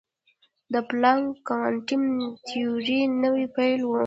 د پلانک کوانټم تیوري نوې پیل وه.